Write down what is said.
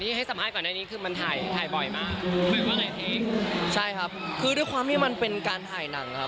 ใช่ครับคือด้วยความที่มันเป็นการถ่ายหนังอะค่ะ